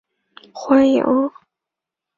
欢迎大家拍照打卡和我们分享喔！